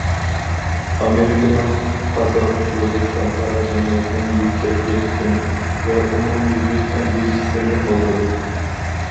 ئامېرىكىنىڭ خاتا ئۇسۇلى خەلقئارا جەمئىيەتنىڭ يۈكسەك دىققىتى ۋە ئومۇميۈزلۈك ئەندىشىسىنى قوزغىدى.